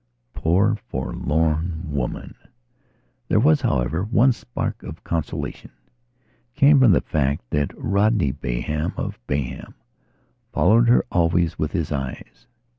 Poor forlorn woman!... There was, however, one spark of consolation. It came from the fact that Rodney Bayham, of Bayham, followed her always with his eyes.